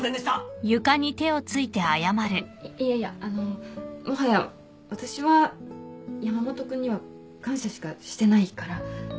あっいやいやあのもはや私は山本君には感謝しかしてないから。